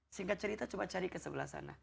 singkat cerita coba cari ke sebelah sana